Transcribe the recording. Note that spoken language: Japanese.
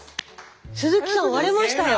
鈴木さん割れましたよ。